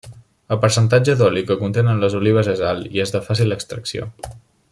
El percentatge d'oli que contenen les olives és alt i és de fàcil extracció.